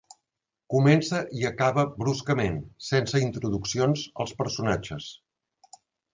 Comença i acaba bruscament, sense introduccions als personatges.